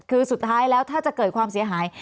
คือสุดท้ายแล้วถ้าจะเกิดความเสียหาย